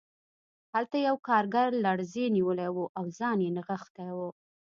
هلته یو کارګر لړزې نیولی و او ځان یې نغښتی و